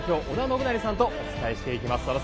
織田信成さんとお伝えしていきます。